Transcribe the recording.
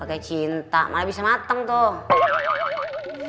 entah malah bisa mateng tuh